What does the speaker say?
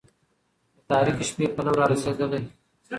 د تاريكي شپې پلو را رسېدلى